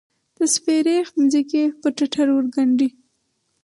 د سپیرې مځکې، پر ټټر ورګنډې